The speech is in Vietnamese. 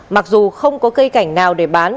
mặc dù không có cây cảnh nào để bán